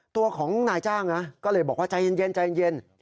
ตัวของนายจ้างก็เลยบอกว่าใจเย็น